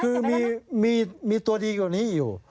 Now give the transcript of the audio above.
คือมีตัวดีกว่านี้อยู่